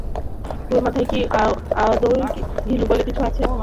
ওর মাথায় কি আদৌ ঘিলু বলে কিছু আছে?